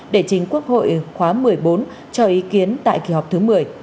để chính quốc hội khóa một mươi bốn cho ý kiến tại kỳ họp thứ một mươi